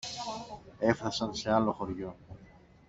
Έφθασαν σε άλλο χωριό